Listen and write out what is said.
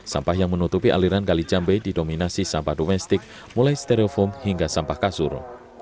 sampah yang menutupi aliran kali jambe didominasi sampah domestik mulai stereofoam hingga sampah kasur